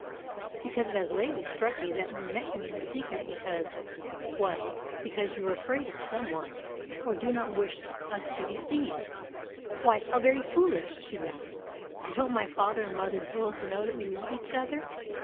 "Because it has lately struck me that you meet me in secret because well, because you are afraid of someone, or do not wish us to be seen." "Why, how very foolish!" she laughed. "Don't my father and mother both know that we love each other?